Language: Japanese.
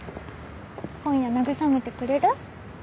今夜慰めてくれる？